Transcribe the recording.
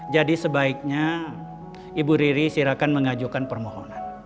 jadi sebaiknya ibu riri silakan mengajukan permohonan